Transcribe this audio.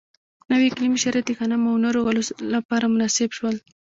نوي اقلیمي شرایط د غنمو او نورو غلو لپاره مناسب شول.